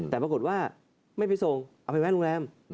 แต่ปรากฏว่าไม่ไปส่งเอาไปแวะโรงแรม